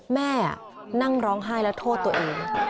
แม่นั่งร้องไห้และโทษตัวเอง